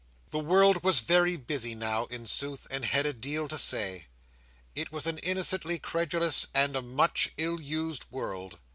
The world was very busy now, in sooth, and had a deal to say. It was an innocently credulous and a much ill used world.